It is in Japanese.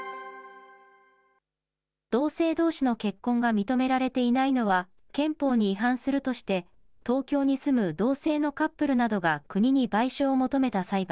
同性どうしの結婚が認められていないのは憲法に違反するとして、東京に住む同性のカップルなどが国に賠償を求めた裁判。